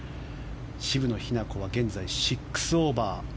渋野日向子は現在６オーバー。